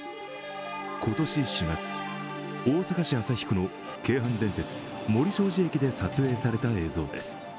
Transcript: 今年４月、大阪市旭区の京阪電鉄、森小路駅で撮影された映像です。